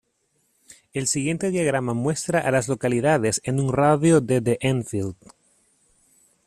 El siguiente diagrama muestra a las localidades en un radio de de Enfield.